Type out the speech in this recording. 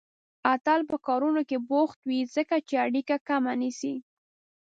اتل به په کارونو کې بوخت وي، ځکه چې اړيکه کمه نيسي.